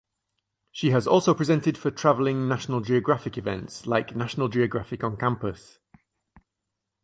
She has also presented for traveling National Geographic events like National Geographic On Campus.